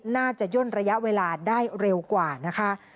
ย่นระยะเวลาได้เร็วกว่านะคะ